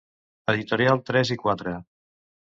Editorial Tres i Quatre.